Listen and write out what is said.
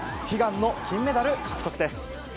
悲願の金メダル獲得です。